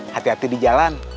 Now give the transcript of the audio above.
hati hati di jalan